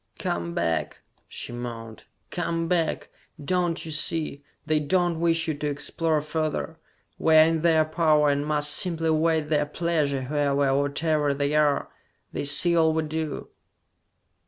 "Come back!" she moaned. "Come back! Don't you see? They don't wish you to explore further! We are in their power, and must simply await their pleasure, whoever or whatever they are! They see all we do!"